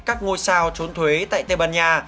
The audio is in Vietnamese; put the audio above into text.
các ngôi sao trốn thuế tại tây ban nha